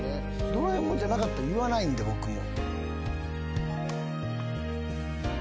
ドラえもんじゃなかったら言わないんで僕も。